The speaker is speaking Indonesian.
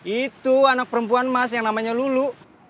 itu anak perempuan mas yang namanya lulu